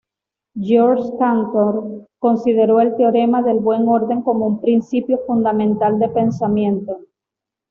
Georg Cantor consideró el teorema del buen orden como un "principio fundamental de pensamiento".